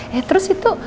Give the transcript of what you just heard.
ya terus itu